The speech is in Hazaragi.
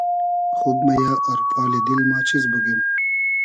خوب مئیۂ آر پالی دیل ما چیز بوگیم